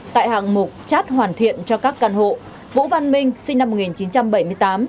tại hạng mục chát hoàn thiện cho các căn hộ vũ văn minh sinh năm một nghìn chín trăm bảy mươi tám